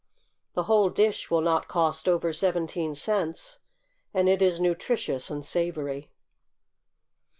The whole dish will not cost over seventeen cents, and it is nutritious and savory.